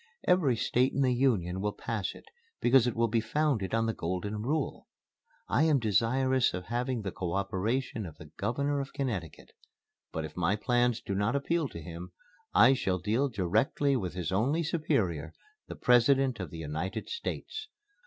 Every State in the Union will pass it, because it will be founded on the Golden Rule. I am desirous of having the co operation of the Governor of Connecticut, but if my plans do not appeal to him I shall deal directly with his only superior, the President of the United States.